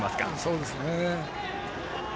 そうですね。